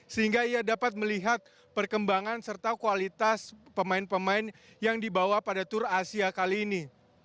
sehingga ia dapat melihat perkembangan serta kualitas pemain pemain yang dibawa pada tour asia kali ini